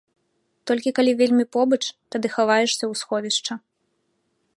Толькі калі вельмі побач, тады хаваешся ў сховішча.